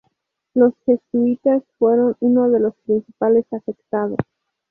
Los jesuitas fueron uno de los principales afectados.